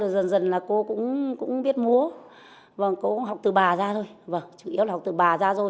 dần dần cô cũng biết múa cô cũng học từ bà ra thôi chủ yếu là học từ bà ra thôi